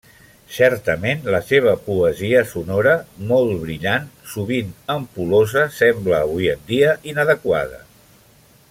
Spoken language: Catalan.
Certament, la seva poesia sonora, molt brillant, sovint ampul·losa, sembla avui en dia inadequada.